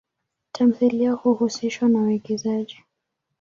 Tamthilia huhusishwa na uigizaji.